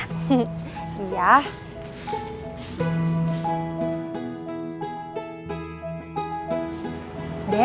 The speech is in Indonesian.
kok ada tulisan dijual